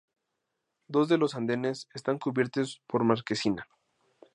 Dos de los andenes están cubiertos por marquesina.